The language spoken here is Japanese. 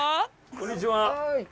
こんにちは。